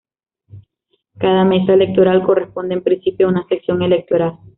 Cada mesa electoral corresponde, en principio, a una sección electoral.